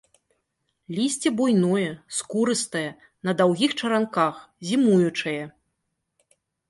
Лісце буйное, скурыстае, на даўгіх чаранках, зімуючае.